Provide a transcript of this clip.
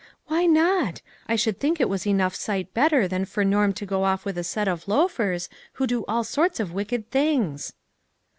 "Why not? I should think it was enough eight better than for Norm to go off with a set of loafers, who do all sorts of wicked things."